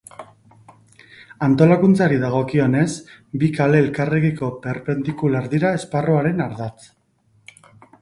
Antolakuntzari dagokionez, bi kale elkarrekiko perpendikular dira esparruaren ardatz.